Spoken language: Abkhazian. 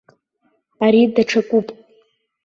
Ари даҽакуп.